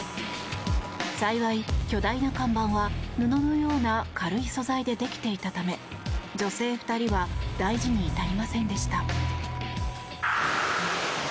幸い、巨大な看板は布のような軽い素材でできていたため女性２人は大事に至りませんでした。